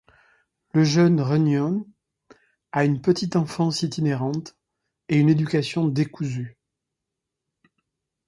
Le jeune Runyon a une petite enfance itinérante et une éducation décousue.